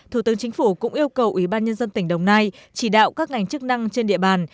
thủ tướng chính phủ cũng yêu cầu ủy ban nhân dân tỉnh đồng nai chỉ đạo các ngành chức năng trên địa bàn